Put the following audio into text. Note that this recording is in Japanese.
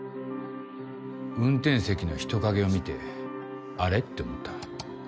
運転席の人影を見てあれ？って思った。